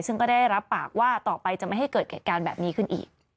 ซึ่งก็ได้รับปากว่าต่อไปจะไม่ให้เกิดเหตุการณ์แบบนี้ขึ้นอีก